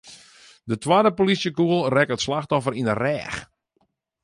De twadde polysjekûgel rekke it slachtoffer yn 'e rêch.